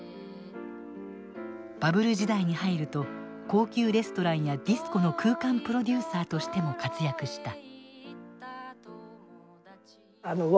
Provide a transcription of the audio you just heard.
バブル時代に入ると高級レストランやディスコの空間プロデューサーとしても活躍した。